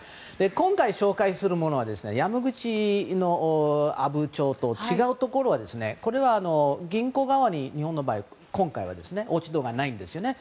今回紹介するのは山口の阿武町とは違うところはこれは銀行側に日本の場合、今回は落ち度がないんですよね。